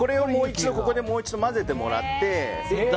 ここでもう一度混ぜてもらって。